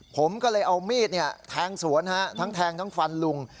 ผมก็เลยเอามีดแทงสวนทั้งแทงทั้งฟันลุง